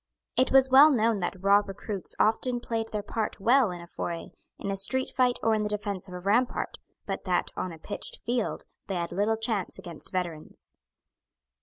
It was well known that raw recruits often played their part well in a foray, in a street fight or in the defence of a rampart; but that, on a pitched field, they had little chance against veterans.